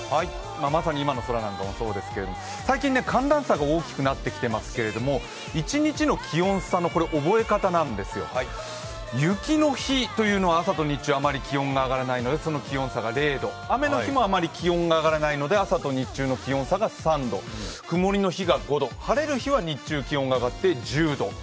まさに今の空なんかもそうですが最近、寒暖差が大きくなっていますが、一日の気温差の覚え方なんですが、雪の日というのは朝と日中はあまり気温差が上がらないので、その気温差が０度、雨の日もあまり上がらないので気温差は３度、曇りの日が５度晴れる日は日中、気温が上がって１０度。